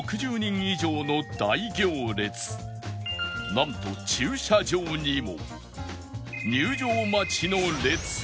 なんと駐車場にも入場待ちの列が